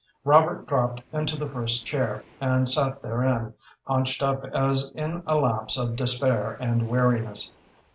Robert dropped into the first chair, and sat therein, haunched up as in a lapse of despair and weariness.